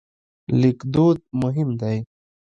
لیکدود مهم دی.